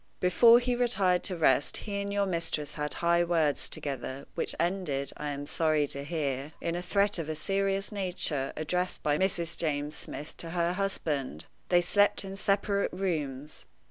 Before he retired to rest he and your mistress had high words together, which ended, I am sorry to hear, in a threat of a serious nature addressed by Mrs. James Smith to her husband. They slept in separate rooms.